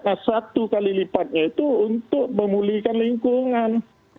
nah satu kali lipatnya itu untuk memulihkan lingkungan